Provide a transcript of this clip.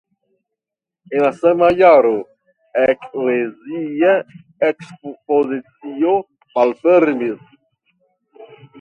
En la sama jaro eklezia ekspozicio malfermis.